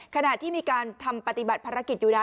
ขณะที่มีการทำปฏิบัติภารกิจอยู่นะ